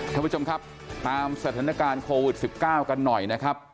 ท่านผู้ชมครับตามสถานการณ์โควิด๑๙กันหน่อยนะครับ